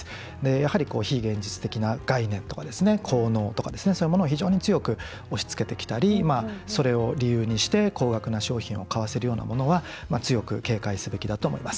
やはり非現実的な概念とか効能とかを非常に強く押しつけてきたりそれを理由にして高額な商品を買わせるようなものは強く警戒すべきだと思います。